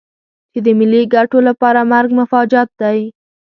چې د ملي ګټو لپاره مرګ مفاجات دی.